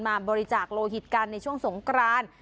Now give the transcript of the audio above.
มาบริจาคโลหิตกันในช่วงสงกราน